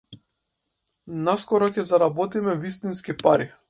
Наскоро ќе заработиме вистински пари.